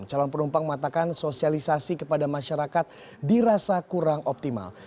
calon penumpang mengatakan sosialisasi kepada masyarakat dirasa kurang optimal